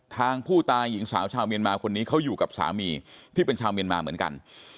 ทางผู้ตายหญิงสาวชาวเมียนมาคนนี้เขาอยู่กับสามีที่เป็นชาวเมียนมาเหมือนกัน